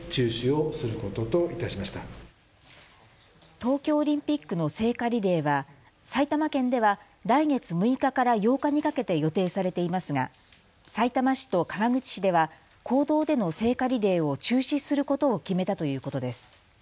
東京オリンピックの聖火リレーは埼玉県では来月６日から８日にかけて予定されていますがさいたま市と川口市では公道での聖火リレーを中止することを決めたということです。